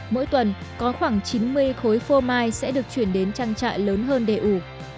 mỗi tuần có khoảng chín mươi khối phô mai sẽ được chuyển đến trang trại lớn hơn để ủ